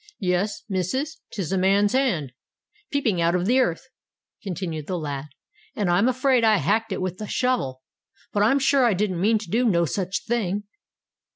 "Yes, missus—'tis a man's hand, peeping out of the earth," continued the lad; "and I'm afraid I hacked it with the shovel—but I'm sure I didn't mean to do no such a thing!"